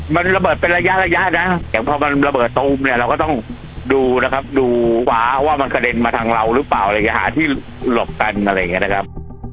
มันระเบิดเป็นระยะนะพอมันระเบิดตรงอุ้มเราก็ต้องดูนะครับดูฟ้าว่ามันขะเด่นมาทางเราหรือเปล่าหาที่หลบกันอะไรอย่างนี้นะครับ